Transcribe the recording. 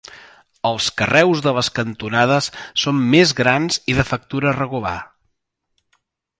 Els carreus de les cantonades són més grans i de factura regular.